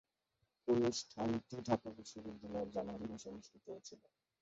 অনুষ্ঠানটি ঢাকা বিশ্ববিদ্যালয়ে জানুয়ারি মাসে অনুষ্ঠিত হয়েছিলো।